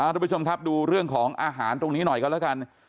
ทุกผู้ชมครับดูเรื่องของอาหารตรงนี้หน่อยกันแล้วกัน